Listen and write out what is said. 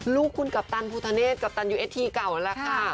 ลูกคุณกัปตันภูทะเศษกัปตันยูเอสทีเก่านั่นแหละค่ะ